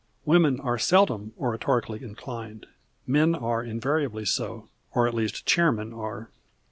Women are seldom oratorically inclined. Men are invariably so or at least chairmen are.